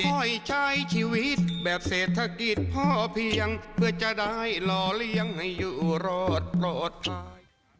ค่อยใช้ชีวิตแบบเศรษฐกิจพ่อเพียงเพื่อจะได้หล่อเลี้ยงให้อยู่รอดปลอดภัย